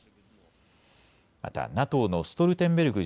またＮＡＴＯのストルテンベルグ